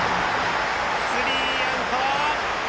スリーアウト！